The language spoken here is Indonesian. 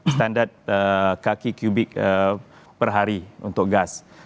standar kaki kubik per hari untuk gas